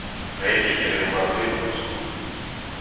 Re hir eo ma blev koulskoude.